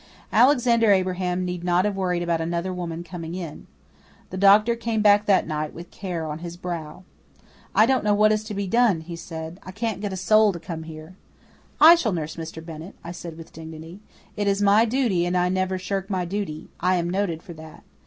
Alexander Abraham need not have worried about another woman coming in. The doctor came back that night with care on his brow. "I don't know what is to be done," he said. "I can't get a soul to come here." "I shall nurse Mr. Bennett," I said with dignity. "It is my duty and I never shirk my duty. I am noted for that.